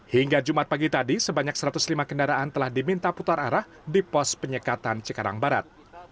hingga jumat pagi tadi sebanyak satu ratus lima kendaraan telah diminta putar arah di pos penyekatan cikarang barat